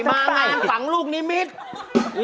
งานฝังลูกนิมิตร